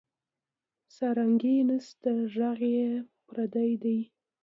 سارنګۍ نسته ږغ یې پردی دی